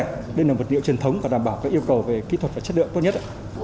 đây là vật liệu truyền thống và đảm bảo các yêu cầu về kỹ thuật và chất lượng tốt nhất